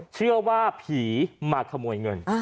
เชื่อว่าผีมาขโมยเงิน